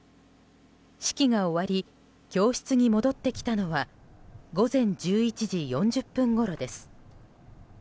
式が終わり教室に戻ってきたのは午前１１時４０分ごろです。